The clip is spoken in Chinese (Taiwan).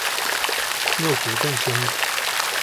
肉質更鮮美